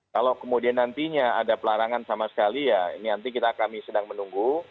kalau kemudian nantinya ada pelarangan sama sekali ya ini nanti kita kami sedang menunggu